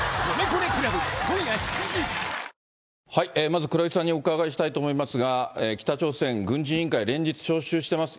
まず黒井さんにお伺いしたいと思いますが、北朝鮮軍事委員会、連日招集してます。